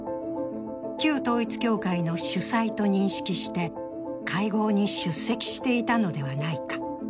旧統一教会の主催と認識して会合に出席していたのではないか。